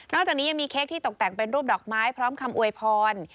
จากนี้ยังมีเค้กที่ตกแต่งเป็นรูปดอกไม้พร้อมคำอวยพร